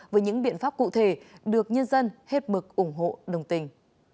với những biện pháp cụ thể được nhân dân hết mực ủng hộ đồng tình